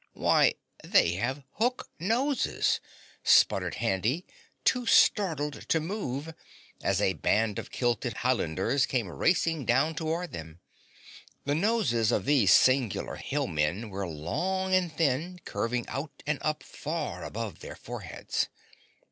"Why, they have HOOK noses!" sputtered Handy, too startled to move, as a band of kilted Highlanders came racing down toward them. The noses of these singular Hill men were long and thin, curving out and up far above their foreheads.